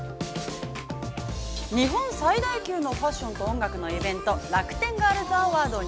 日本最大級のファッションと音楽のイベント